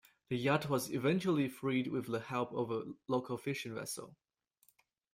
The yacht was eventually freed with the help of a local fishing vessel.